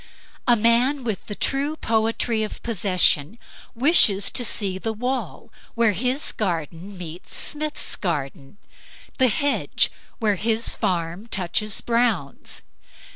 A man with the true poetry of possession wishes to see the wall where his garden meets Smith's garden; the hedge where his farm touches Brown's.